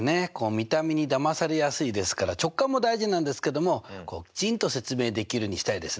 見た目にだまされやすいですから直感も大事なんですけどもきちんと説明できるようにしたいですね。